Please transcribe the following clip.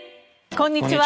こんにちは。